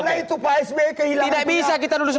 karena itu pak sb kehilangan kita